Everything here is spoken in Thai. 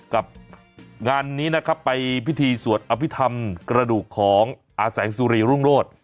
กับงานนี้นะครับไปพิธีสวดอภิษฐรรมกระดูกของอาแสงสุรีรุ่งโรธ